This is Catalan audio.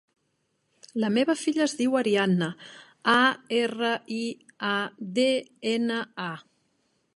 La meva filla es diu Ariadna: a, erra, i, a, de, ena, a.